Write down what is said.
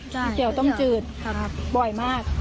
ก๋วยเตี๋ยวต้มจืดบ่อยมาก